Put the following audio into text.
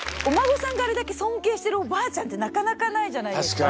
お孫さんがあれだけ尊敬してるおばあちゃんってなかなかない。